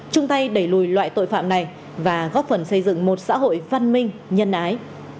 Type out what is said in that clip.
chung tay đẩy lùi loại tội phạm này và góp phần xây dựng một xã hội văn minh nhân ái